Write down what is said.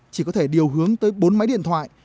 chỉ có thể điều hướng tới bốn máy điện thoại